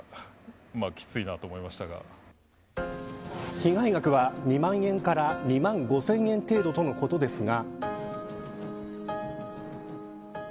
被害額は２万円から２万５０００円程度とのことですが。